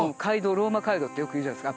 ローマ街道ってよく言うじゃないですか